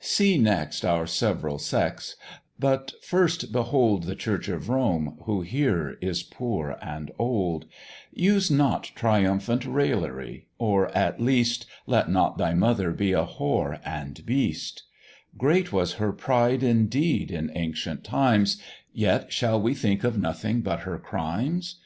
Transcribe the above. See next our several Sects, but first behold The Church of Rome, who here is poor and old: Use not triumphant raillery, or, at least, Let not thy mother be a whore and beast; Great was her pride indeed in ancient times, Yet shall we think of nothing but her crimes?